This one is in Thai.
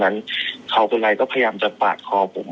ทำไมก็พยายามจะซะดี